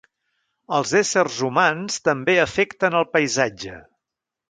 Els éssers humans també afecten el paisatge.